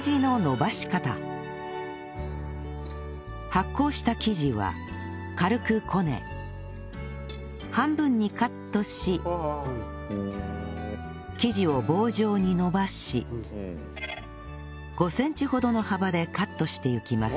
発酵した生地は軽くこね半分にカットし生地を棒状にのばし５センチほどの幅でカットしていきます